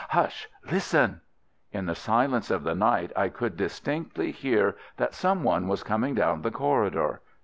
"Hush! Listen!" In the silence of the night I could distinctly hear that someone was coming down the corridor.